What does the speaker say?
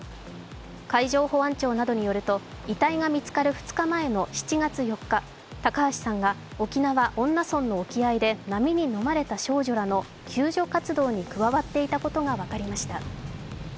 海上保安庁などによると、遺体が見つかる２日前の７月４日、高橋さんが沖縄・恩納村の沖合で波にのまれた少女らの救助活動に加わっていたことが分かりました。